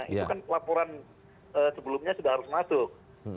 itu kan laporan sebelumnya sudah harus masuk